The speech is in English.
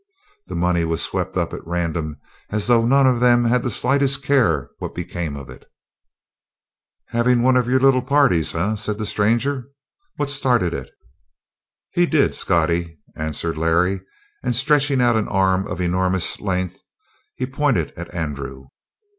The money was swept up at random, as though none of them had the slightest care what became of it. "Havin' one of your little parties, eh?" said the stranger. "What started it?" "He did, Scottie," answered Larry, and, stretching out an arm of enormous length, he pointed at Andrew.